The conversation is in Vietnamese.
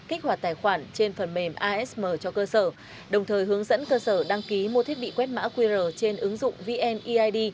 kích hoạt tài khoản trên phần mềm asm cho cơ sở đồng thời hướng dẫn cơ sở đăng ký mua thiết bị quét mã qr trên ứng dụng vneid